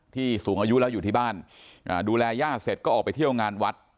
สูงอายุแล้วอยู่ที่บ้านดูแลย่าเสร็จก็ออกไปเที่ยวงานวัด